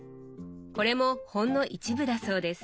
これもほんの一部だそうです。